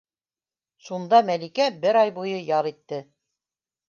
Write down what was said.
Шунда Мәликә бер ай буйы ял итте.